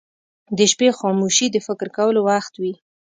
• د شپې خاموشي د فکر کولو وخت وي.